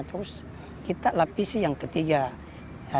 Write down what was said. terus kita lapisi yang ketiga